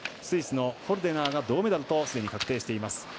スイスのホルデナーが銅メダルとすでに確定しています。